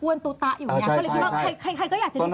ทีเมื่อปีแล้วบอกมันจะฟ้องผมนะ